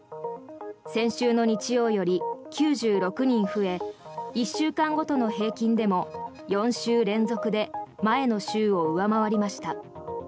先週の日曜より９６人増え１週間ごとの平均でも４週連続で前の週を上回りました。